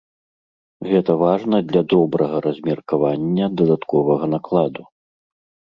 Гэта важна для добрага размеркавання дадатковага накладу.